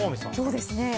そうですね。